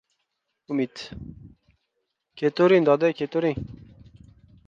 Umid: keturin doda, keturing